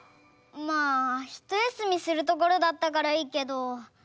まあひとやすみするところだったからいいけど。